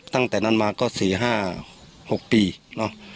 ตั้งแต่นั้นมาก็๔๕๖ปีเนอะ